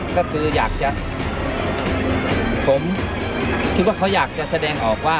ก็คืออยากจะผมคิดว่าเขาอยากจะแสดงออกว่า